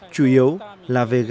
chủ yếu là về gãi